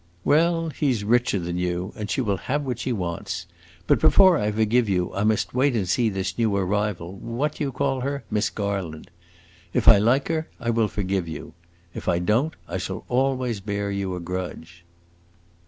Well, he 's richer than you, and she will have what she wants; but before I forgive you I must wait and see this new arrival what do you call her? Miss Garland. If I like her, I will forgive you; if I don't, I shall always bear you a grudge."